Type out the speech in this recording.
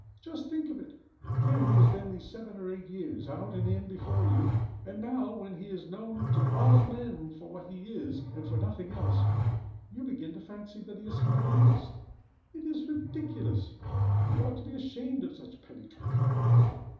Just think of it; here he has been these seven or eight years, out and in before you, and now, when he is known of all men for what he is, and for nothing else, you begin to fancy that he is somebody else! It is ridiculous! You ought to be ashamed of such petty trifling."